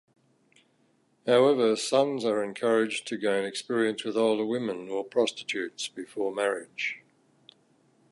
However, sons are encouraged to gain experience with older women or prostitutes before marriage.